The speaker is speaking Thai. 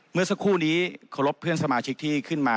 เมื่อสักครู่นี้เคารพเพื่อนสมาชิกที่ขึ้นมา